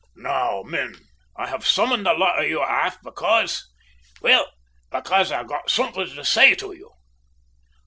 "Now, men, I have summoned the lot of you aft because well, because I've got something to say to you."